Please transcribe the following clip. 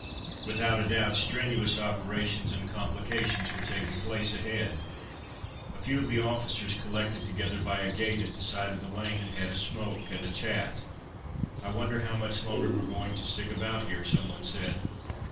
Without a doubt, strenuous operations and complications were taking place ahead. A few of the officers collected together by a gate at the side of the lane and had a smoke and a chat. "I wonder how much longer we're going to stick about here" some one said.